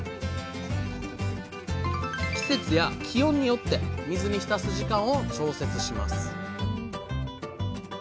季節や気温によって水に浸す時間を調節します